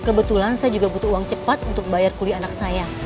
kebetulan saya juga butuh uang cepat untuk bayar kuliah anak saya